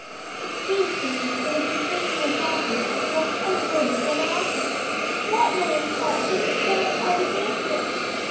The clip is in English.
"It seems to me it would be taking advantage of the most unheard of generosity. What woman's heart could stand out against it?"